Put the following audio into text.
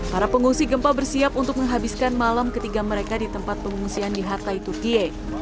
para pengungsi gempa bersiap untuk menghabiskan malam ketiga mereka di tempat pengungsian di hatay turkiye